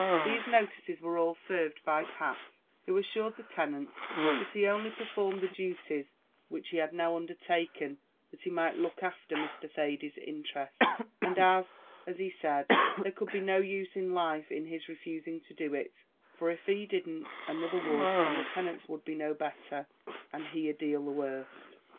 These notices were all served by Pat, who assured the tenants that he only performed the duties which he had now undertaken that he might look after Mr. Thady's interests, and as, as he said, "there could be no use in life in his refusing to do it, for av he didn't, another would, and the tenants would be no betther, and he a dale the worse."